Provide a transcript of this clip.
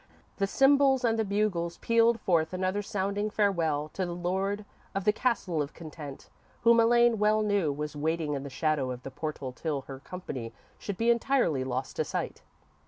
The cymbals and the bugles pealed forth another sounding farewell to the Lord of the Castle of Content, whom Elaine well knew was waiting in the shadow of the portal till her company should be entirely lost to sight.